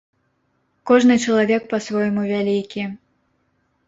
Кожны чалавек па-свойму вялікі.